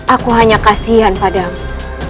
aku hanya kasihan padamu